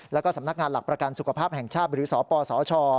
แล้วก็สำนักงานหลักประกันสุขภาพแห่งชาติหรือสปสช